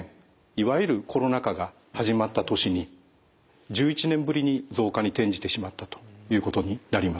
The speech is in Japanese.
いわゆるコロナ禍が始まった年に１１年ぶりに増加に転じてしまったということになります。